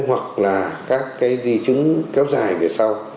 hoặc là các cái di chứng kéo dài về sau